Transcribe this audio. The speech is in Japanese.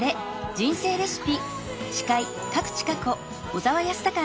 人生レシピ」。